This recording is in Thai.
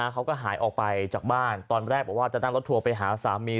เขาก็หายออกไปจากบ้านตอนแรกบอกว่าจะนั่งรถทัวร์ไปหาสามี